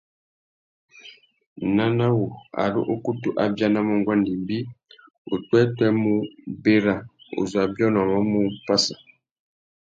Nana wu, ari ukutu a bianamú nguêndê ibi, upwêpwê mú : Berra uzu a biônômú mú Passa.